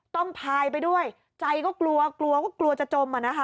พายไปด้วยใจก็กลัวกลัวก็กลัวจะจมอ่ะนะคะ